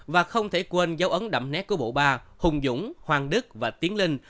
và không thể quên dấu ấn đậm nét của bộ ba hùng dũng hoàng đức và tiến linh